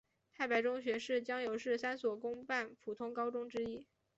太白中学是江油市三所公办普通高中之一。